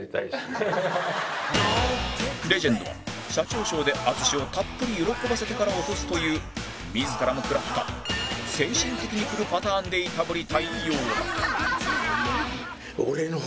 レジェンドは社長賞で淳をたっぷり喜ばせてから落とすという自らも食らった精神的にくるパターンでいたぶりたいようだ